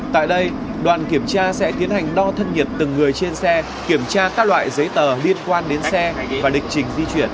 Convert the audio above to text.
tại đây đoàn kiểm tra sẽ tiến hành đo thân nhiệt từng người trên xe kiểm tra các loại giấy tờ liên quan đến xe và lịch trình di chuyển